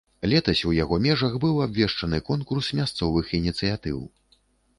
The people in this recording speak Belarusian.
Летась у яго межах быў абвешчаны конкурс мясцовых ініцыятыў.